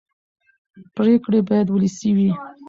پرېکړې باید ولسي وي